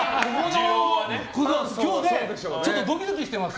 今日、ちょっとドキドキしてます